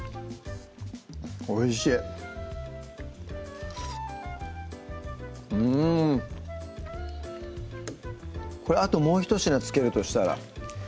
おいしいうんこれあともうひと品付けるとしたら？